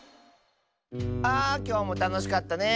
あきょうもたのしかったね。